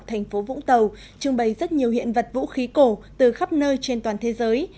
thành phố vũng tàu trưng bày rất nhiều hiện vật vũ khí cổ từ khắp nơi trên toàn thế giới